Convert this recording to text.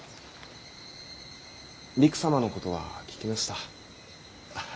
りく様のことは聞きました。